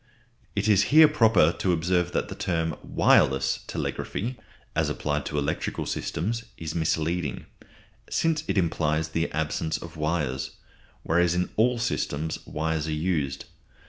It is here proper to observe that the term wireless telegraphy, as applied to electrical systems, is misleading, since it implies the absence of wires; whereas in all systems wires are used.